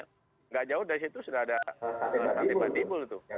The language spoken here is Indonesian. tidak jauh dari situ sudah ada santai batik bul